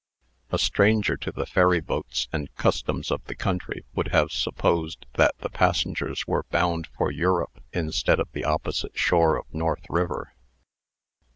A stranger to the ferry boats and customs of the country would have supposed that the passengers were bound for Europe instead of the opposite shore of North River.